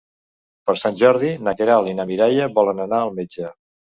Per Sant Jordi na Queralt i na Mireia volen anar al metge.